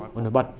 một nội bật